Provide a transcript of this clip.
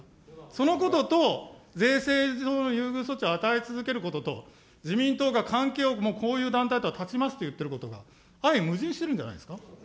そのことと、税制上の優遇措置を与え続けることと、自民党が関係を、もうこういう団体とは断ちますといってることが、あい矛盾しているんじゃないですか。